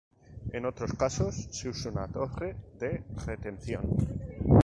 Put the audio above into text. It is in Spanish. En otros casos, se usa una torre de retención.